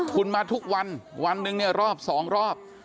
คุณมาทุกวันวันหนึ่งเนี่ยรอบสองรอบ